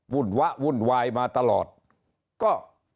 ุ่นวะวุ่นวายมาตลอดก็